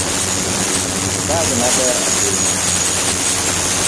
Bagna ber ahinya